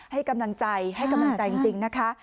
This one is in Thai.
ให้กำลังใจให้กำลังใจจริงนะคะ